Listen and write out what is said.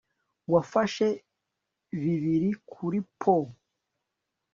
Wafashe bibiri kuri poo